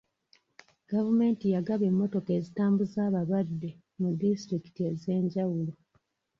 Gavumenti yagaba emmotoka ezitambuza abalwadde mu disitulikiti ez'enjawulo.